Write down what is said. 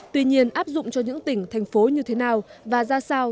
tuy nhiên áp dụng cho những tỉnh thành phố như thế nào và ra sao